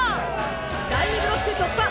第２ブロック突破！